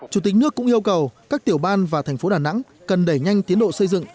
chủ tịch nước cũng yêu cầu các tiểu ban và thành phố đà nẵng cần đẩy nhanh tiến độ xây dựng